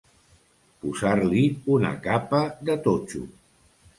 Posar-li una capa de totxo.